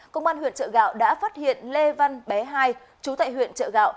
công an huyện chợ gạo đã phát hiện lê văn bé hai chú tại huyện trợ gạo